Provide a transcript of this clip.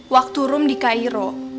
waktu rum di kairo